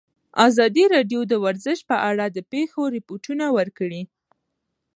ازادي راډیو د ورزش په اړه د پېښو رپوټونه ورکړي.